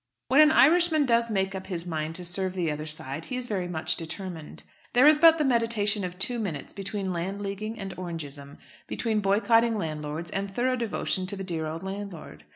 When an Irishman does make up his mind to serve the other side he is very much determined. There is but the meditation of two minutes between Landleaguing and Orangeism, between boycotting landlords and thorough devotion to the dear old landlord.